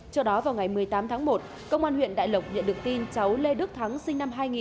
trước đó vào ngày một mươi tám tháng một công an huyện đại lộc nhận được tin cháu lê đức thắng sinh năm hai nghìn